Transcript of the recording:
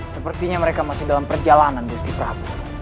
sepertinya mereka masih dalam perjalanan kusti pragu